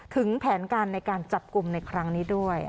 ถึงแผนการในการจับกลุ่มในครั้งนี้ด้วย